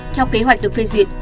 theo kế hoạch được phê duyệt